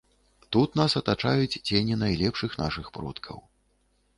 Тут нас атачаюць цені найлепшых нашых продкаў.